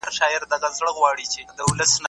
که سرچینې په سمه توګه مدیریت سي اقتصاد وده کوي.